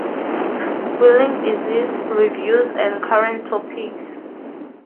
Whirling disease: Reviews and current topics.